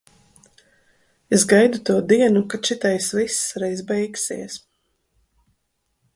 Es gaidu to dienu, kad šitais viss reiz beigsies.